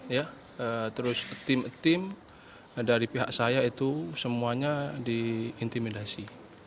ya terus tim tim dari pihak saya itu semuanya diintimidasi